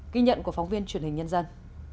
ghi nhận của phóng viên truyền hình nhân dân